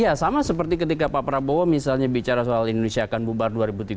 ya sama seperti ketika pak prabowo misalnya bicara soal indonesia akan bubar dua ribu tiga puluh